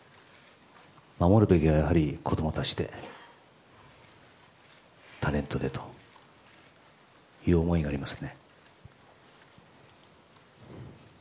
守るべきはやはり、子供たちでタレントでという思いがあります。